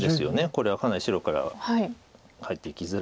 これはかなり白からは入っていきづらい。